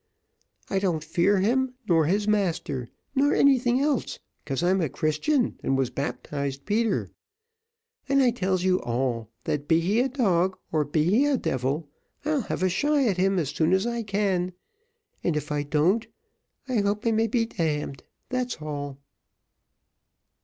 I don't fear him, nor his master, nor anything else, 'cause I'm a Christian, and was baptised Peter; and I tells you all, that be he a dog, or be he a devil, I'll have a shy at him as soon as I can, and if I don't, I hope I may be d d, that's all."